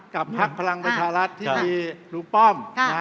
กับภักดิ์พลังบัญชารัฐที่มีลูกป้อม